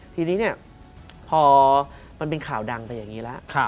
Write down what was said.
ทีนี้เนี่ยพอมันเป็นข่าวดังไปอย่างนี้แล้ว